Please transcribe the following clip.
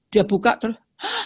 dia buka terus